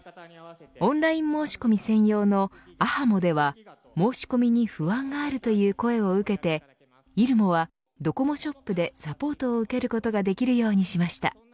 オンライン申し込み専用のａｈａｍｏでは、申し込みに不安があるという声を受けてｉｒｕｍｏはドコモショップでサポートを受けることができるようにしました。